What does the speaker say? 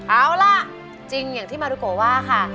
เอาล่ะจริงอย่างที่มารุโกว่าค่ะ